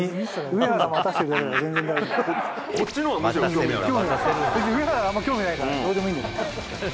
上原はあんまり興味ないから、どうでもいいんだ。